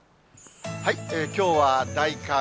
きょうは大寒。